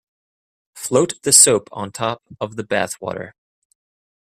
Float the soap on top of the bath water.